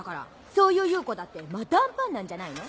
そういう悠子だってまたアンパンなんじゃないの？